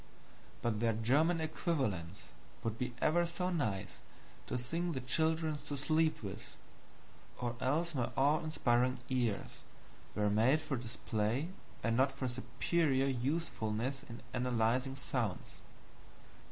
But their German equivalents would be ever so nice to sing the children to sleep with, or else my awe inspiring ears were made for display and not for superior usefulness in analyzing sounds.